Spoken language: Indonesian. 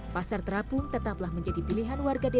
pasar terapung tetaplah menjadi pilihan warga desa